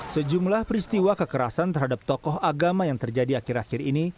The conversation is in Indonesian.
sejumlah peristiwa kekerasan terhadap tokoh agama yang terjadi akhir akhir ini